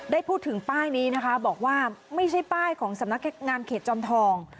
ได้พูดถึงป้ายนี้นะคะบอกว่าไม่ใช่ป้ายของสำนักงานเขตจอมทอง